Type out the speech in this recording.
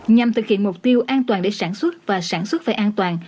nhằm thực hiện mục tiêu an toàn để sản xuất và sản xuất phải an toàn